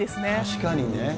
確かにね。